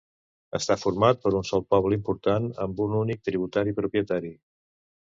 Està format per un sol poble important amb un únic tributari propietari.